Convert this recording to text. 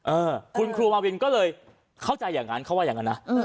เออคุณครูมาวินก็เลยเข้าใจอย่างนั้นเขาว่าอย่างนั้นนะ